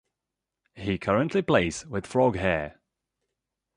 He currently plays with Frog Hair.